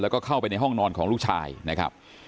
แล้วก็เข้าไปในห้องนอนของลูกชายนะครับ